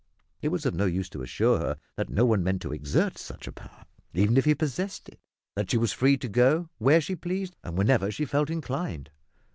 It was of no use to assure her that no one meant to exert such a power, even if he possessed it; that she was free to go where she pleased, and whenever she felt inclined.